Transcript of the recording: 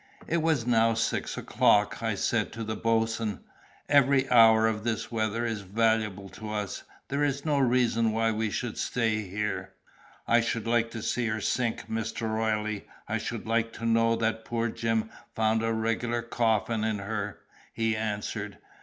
It was now six o'clock. I said to the boatswain: "Every hour of this weather is valuable to us. There is no reason why we should stay here." "I should like to see her sink, Mr. Royle; I should like to know that poor Jim found a regular coffin in her," he answered.